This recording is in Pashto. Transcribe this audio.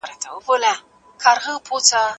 د نجونو لیلیه پرته له پلانه نه پراخیږي.